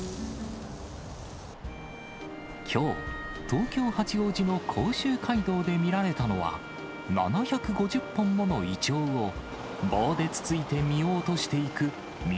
きょう、東京・八王子の甲州街道で見られたのは、７５０本ものイチョウを、棒でつついて実を落としていく見